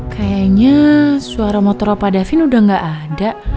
kayaknya suara motor opa david udah gak ada